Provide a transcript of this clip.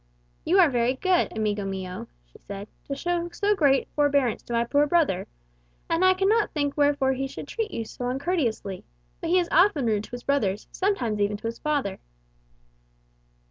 "You are very good, amigo mio," she said, "to show so great forbearance to my poor brother. And I cannot think wherefore he should treat you so uncourteously. But he is often rude to his brothers, sometimes even to his father."